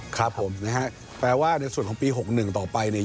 ครับผมนะฮะแปลว่าในส่วนของปี๖๑ต่อไปเนี่ย